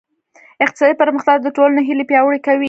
اقتصادي پرمختګ د ټولنې هیلې پیاوړې کوي.